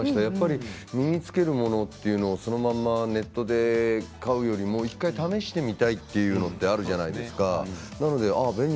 やっぱり身に着けるものというのはそのままネットで買うよりも１回試してみたいというのってあるじゃないですか。